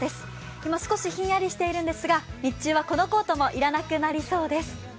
今少しひんやりしているんですが、日中はこのコートも要らなくなりそうです。